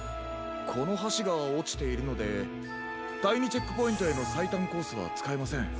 このはしがおちているのでだい２チェックポイントへのさいたんコースはつかえません。